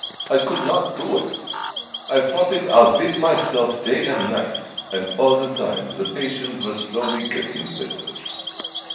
I could not do it. I fought it out with myself day and night, and all the time the patient was slowly getting better.